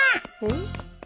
うん？